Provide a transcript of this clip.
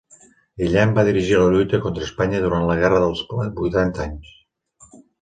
Guillem va dirigir la lluita contra Espanya durant la Guerra dels Vuitanta Anys.